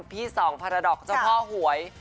พี่สองพารดอกเจ้าพ่อหวย